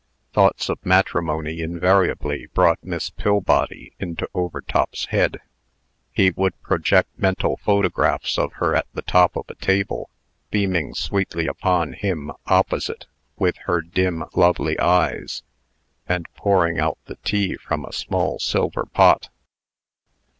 Thoughts of matrimony invariably brought Miss Pillbody into Overtop's head. He would project mental photographs of her at the top of a table, beaming sweetly upon him, opposite, with her dim, lovely eyes, and pouring out the tea from a small silver pot.